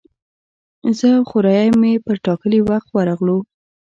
زه او خوریی مې پر ټاکلي وخت ورغلو.